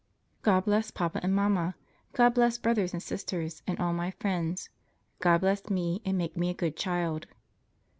God bless Papa and Mamma. God bless Brothers and Sisters, and all my friends. God bless me, and make me a good child.